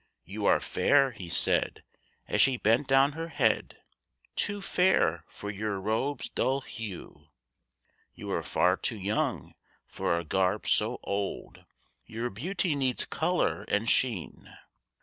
"You are fair," he said, as she bent down her head, "Too fair for your robe's dull hue. You are far too young for a garb so old; Your beauty needs colour and sheen.